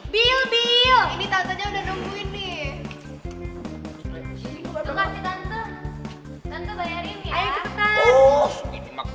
bang baliknya api mbak